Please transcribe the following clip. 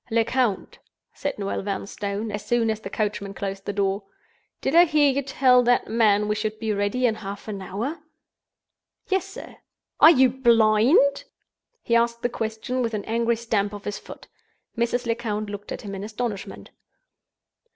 "Lecount," said Noel Vanstone, as soon as the coachman closed the door, "did I hear you tell that man we should be ready in half an hour?" "Yes, sir." "Are you blind?" He asked the question with an angry stamp of his foot. Mrs. Lecount looked at him in astonishment.